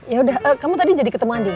yaudah kamu tadi jadi ketemu andin